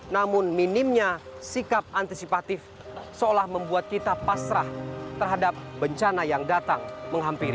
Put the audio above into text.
namun minimnya sikap antisipatif seolah membuat kita pasrah terhadap bencana yang datang menghampiri